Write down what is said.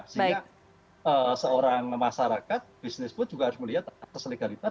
sehingga seorang masyarakat bisnis pun juga harus melihat atas legalitas